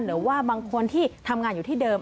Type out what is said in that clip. หรือว่าบางคนที่ทำงานอยู่ที่เดิม